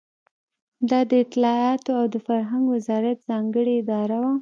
دا د اطلاعاتو او فرهنګ وزارت ځانګړې اداره وه.